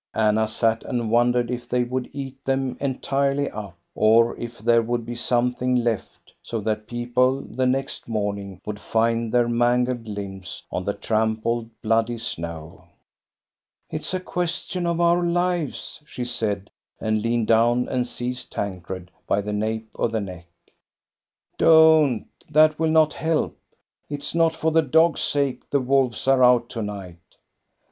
Anna sat and wondered if they would eat them entirely up, or if there would be something left, so that people the next morning would find their mangled limbs on the trampled, bloody snow. "It's a question of our lives," she said, and leaned down and seized Tancred by the nape of the neck. "Don't, — that will not help! It is not for the dog's sake the wolves are out to night."